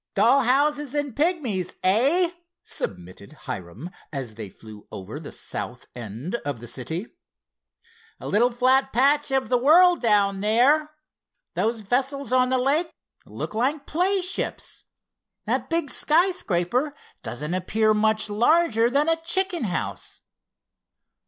"Doll houses and pigmies; eh?" submitted Hiram, as they flew over the south end of the city. "A little flat patch of the world, down there. Those vessels on the lake look like play ships. That big skyscraper doesn't appear much larger than a chicken house.